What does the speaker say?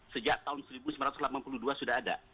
sejak tahun seribu sembilan ratus delapan puluh dua sudah ada